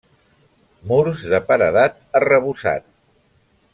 Murs de paredat arrebossat.